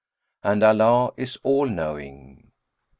And Allah is All knowing!